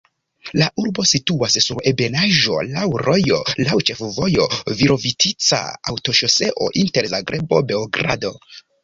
La urbo situas sur ebenaĵo, laŭ rojo, laŭ ĉefvojo Virovitica-aŭtoŝoseo inter Zagrebo-Beogrado.